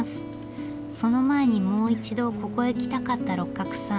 その前にもう一度ここへ来たかった六角さん。